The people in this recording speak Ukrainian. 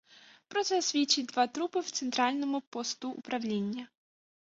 Про це свідчило два трупи в центральному посту управління.